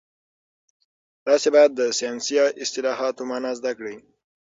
تاسي باید د ساینسي اصطلاحاتو مانا زده کړئ.